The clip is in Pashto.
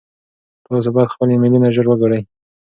تاسو باید خپل ایمیلونه ژر وګورئ.